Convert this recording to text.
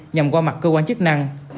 nhằm qua mặt cơ quan chức năng